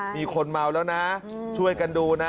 มีคนเมาแล้วนะช่วยกันดูนะ